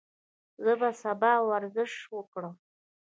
زه به سبا ورزش وکړم.